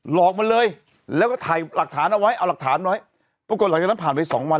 อกมันเลยแล้วก็ถ่ายหลักฐานเอาไว้เอาหลักฐานไว้ปรากฏหลังจากนั้นผ่านไปสองวัน